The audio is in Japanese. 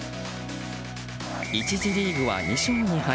１次リーグは２勝２敗。